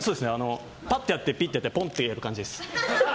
パッとやってピッてやってポンッてやるかんじです。